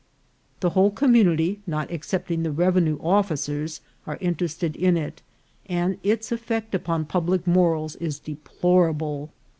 The whole community, not except ing the revenue officers, are interested in it, and its ef fect upon public morals is deplorable.